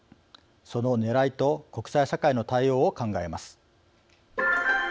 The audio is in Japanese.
そのねらいと国際社会の対応を考えます。